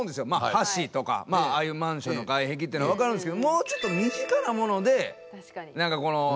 橋とかああいうマンションの外壁というのはわかるんですけどもうちょっと身近なもので役立つなと感じれるものが。